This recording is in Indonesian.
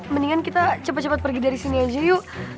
mendingan kita cepet cepet pergi dari sini aja yuk